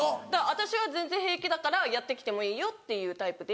私は全然平気だからやってきてもいいよっていうタイプで。